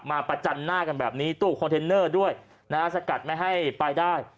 ประจันหน้ากันแบบนี้ตู้คอนเทนเนอร์ด้วยนะฮะสกัดไม่ให้ไปได้